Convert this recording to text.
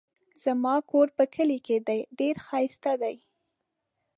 زما کور په کلي کې دی ډېر ښايسته دی